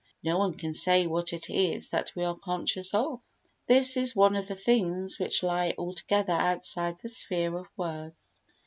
No one can say what it is that we are conscious of. This is one of the things which lie altogether outside the sphere of words.